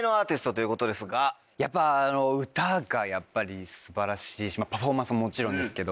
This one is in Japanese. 歌がやっぱり素晴らしいしパフォーマンスももちろんですけど。